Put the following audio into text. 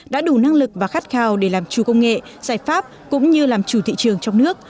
đã đủ năng lực và khát khao để làm chủ công nghệ giải pháp cũng như làm chủ thị trường trong nước